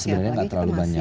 sebenarnya gak terlalu banyak